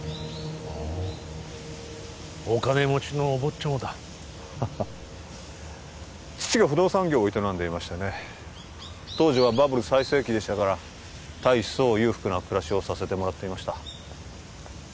ほうお金持ちのお坊ちゃまだ父が不動産業を営んでいましてね当時はバブル最盛期でしたから大層裕福な暮らしをさせてもらっていました・